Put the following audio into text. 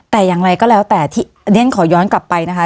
แต่อย่างไรก็แล้วแต่ที่เรียนขอย้อนกลับไปนะคะ